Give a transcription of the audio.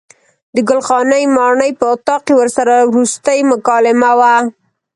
د ګل خانې ماڼۍ په اطاق کې ورسره وروستۍ مکالمه وه.